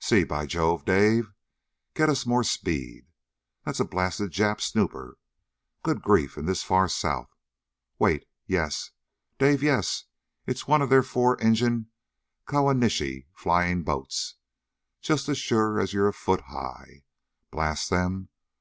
See...? By Jove, Dave, get us more speed! That's a blasted Jap snooper! Good grief! And this far south? Wait! Yes, Dave, yes! It is one of their four engined Kawanishi flying boats, just as sure as you're a foot high. Blast them!